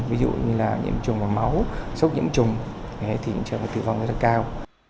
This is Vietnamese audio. ví dụ như là nhiễm trùng vào máu sốc nhiễm trùng thì trường hợp tử vong rất cao